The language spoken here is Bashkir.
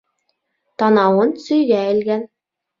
Танауын сөйгә элгән.